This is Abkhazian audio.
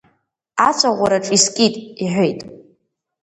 Ацәаӷәараҿ искит, — иҳәеит…